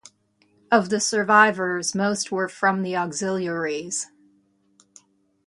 Of the survivors, most were from the auxiliaries.